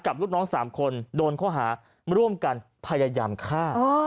ลูกน้อง๓คนโดนข้อหาร่วมกันพยายามฆ่า